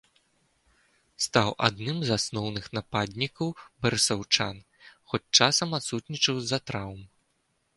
Стаў адным з асноўных нападнікаў барысаўчан, хоць часам адсутнічаў з-за траўм.